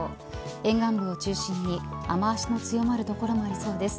沿岸部を中心に雨脚の強まる所もありそうです。